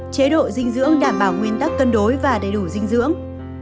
chế độ dinh dưỡng đảm bảo nguyên tắc cân đối và đầy đủ dinh dưỡng